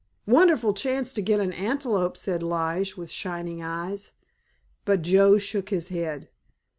"Wonderful chance to get an antelope," said Lige with shining eyes; but Joe shook his head.